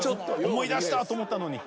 思い出した！と思ったのに。